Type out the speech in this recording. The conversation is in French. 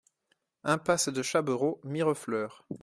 Impasse de Chaberot, Mirefleurs